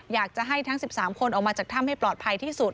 อยากจะให้ทั้ง๑๓คนออกมาจากถ้ำให้ปลอดภัยที่สุด